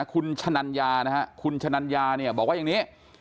คุณชะนัญานะครับคุณชะนัญาบอกว่าอย่างนี้